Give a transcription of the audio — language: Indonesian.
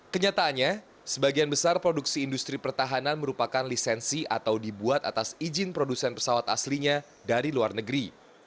kenyataannya sebagian besar produksi industri pertahanan merupakan lisensi atau dibuat atas izin produsen pesawat aslinya dari luar negeri